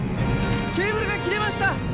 ケーブルが切れました！